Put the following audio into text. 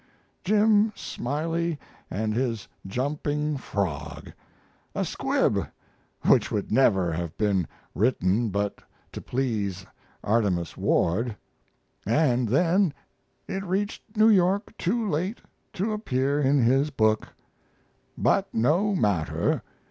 "Jim Smiley and His Jumping Frog" a squib which would never have been written but to please Artemus Ward, and then it reached New York too late to appear in his book. But no matter.